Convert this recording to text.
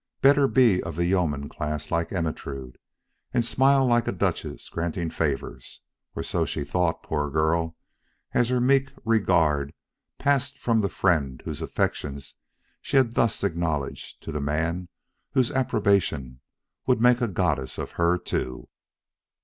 Better be of the yeoman class like Ermentrude, and smile like a duchess granting favors. Or so she thought, poor girl, as her meek regard passed from the friend whose attractions she had thus acknowledged to the man whose approbation would make a goddess of her too.